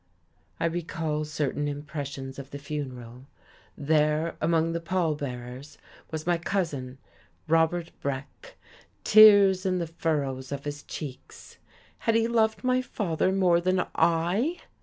I recall certain impressions of the funeral. There, among the pall bearers, was my Cousin Robert Breck, tears in the furrows of his cheeks. Had he loved my father more than I?